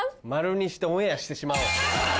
「○」にしてオンエアしてしまおう。